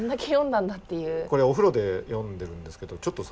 これお風呂で読んでるんですけどちょっと触ってみます？